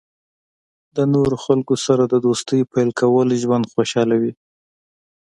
د نوو خلکو سره د دوستۍ پیل کول ژوند خوشحالوي.